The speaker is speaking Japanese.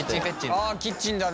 あキッチンだね！